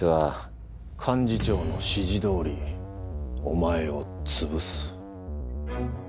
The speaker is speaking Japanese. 幹事長の指示どおりお前を潰す。